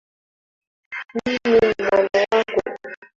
Mimi ni mwana wako.